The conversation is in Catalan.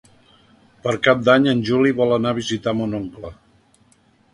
Per Cap d'Any en Juli vol anar a visitar mon oncle.